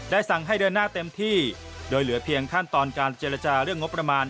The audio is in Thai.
สั่งให้เดินหน้าเต็มที่โดยเหลือเพียงขั้นตอนการเจรจาเรื่องงบประมาณ